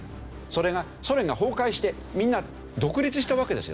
それがソ連が崩壊してみんな独立したわけですよ。